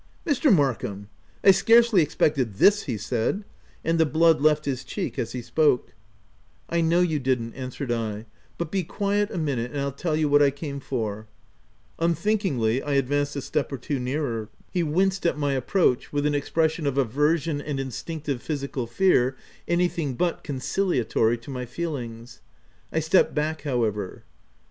Mr. Markham, I scarcely expected this V 9 he said ; and the blood left his cheek as he spoke. 160 THE TENANT " I know you didn't/' answered I ; <c but be quiet a minute, and I'll tell you what I came for.*' Unthinkingly I advanced a step or two nearer. He winced at my approach, with an expression of aversion and instinctive physical fear anything but conciliatory to my feelings. I stepped back however.